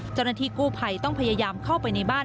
เจ้าหน้าที่กู้ภัยต้องพยายามเข้าไปในบ้าน